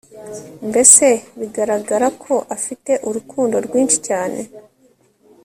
mbese bigararaga ko afite urukundo rwinshi cyane